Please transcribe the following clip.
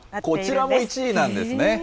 こちらも１位なんですね。